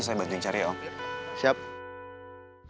saya bantu yang cari ya om